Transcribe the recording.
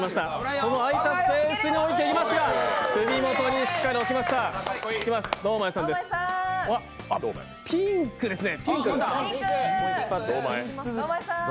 この空いたスペースに置いていきますが、首元にしっかり置きました堂前さんです、ピンクですね。